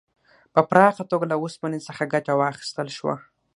په پراخه توګه له اوسپنې څخه ګټه واخیستل شوه.